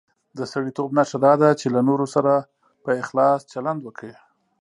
د سړیتوب نښه دا ده چې له نورو سره په اخلاص چلند وکړي.